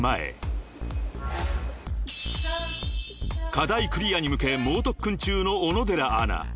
［課題クリアに向け猛特訓中の小野寺アナ］